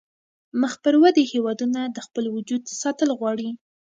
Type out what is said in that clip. مخ پر ودې هیوادونه د خپل وجود ساتل غواړي